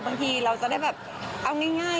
บางทีเราจะได้แบบเอาง่าย